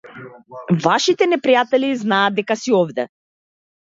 Вашите непријатели знаат дека си овде.